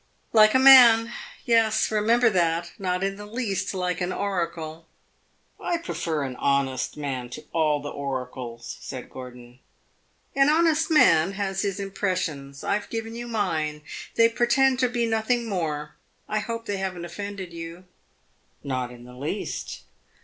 "Like a man, yes. Remember that. Not in the least like an oracle." "I prefer an honest man to all the oracles," said Gordon. "An honest man has his impressions! I have given you mine they pretend to be nothing more. I hope they have n't offended you." "Not in the least."